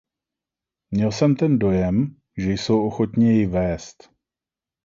Měl jsem ten dojem, že jsou ochotni jej vést.